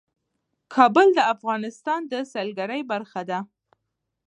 کابل د افغانستان د سیلګرۍ برخه ده.